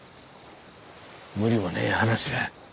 無理もねえ話だ。